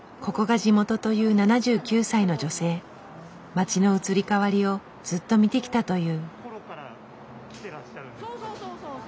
街の移り変わりをずっと見てきたという。